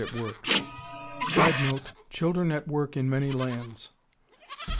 [Sidenote: Children at work in many lands.